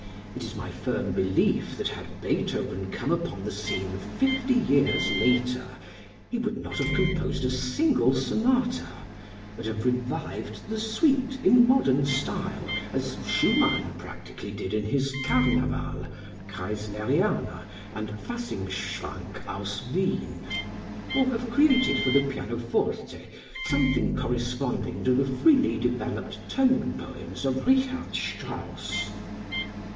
It is my firm belief that had Beethoven come upon the scene fifty years later, he would not have composed a single sonata, but have revived the suite in modern style, as Schumann practically did in his "Carnaval," "Kreisleriana," and "Faschingschwank aus Wien," or have created for the pianoforte something corresponding to the freely developed tone poems of Richard Strauss.